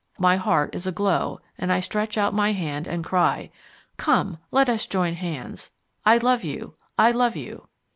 My heart is aglow, and I stretch out my hand and cry, "Come, let us join hands! I love you, I love you!"